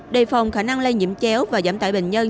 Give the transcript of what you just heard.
đề phòng khả năng lây nhiễm chéo và giảm tải bệnh nhân